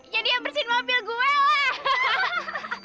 jadi yang bersihin mobil gue lah